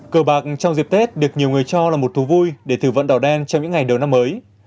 cờ bạc trong dịp tết được nhiều người cho là một thú vui để thử vận đỏ đen trong những ngày đầu năm mới